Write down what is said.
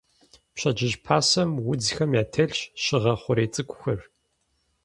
Пщэдджыжь пасэм удзхэм ятелъщ щыгъэ хъурей цӀыкӀухэр.